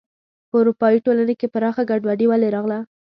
په اروپايي ټولنې کې پراخه ګډوډي ولې راغله.